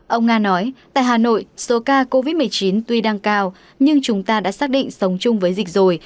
ông nga nói tại hà nội số ca covid một mươi chín tuy đang cao nhưng chúng ta đã xác định sống chung với dịch rồi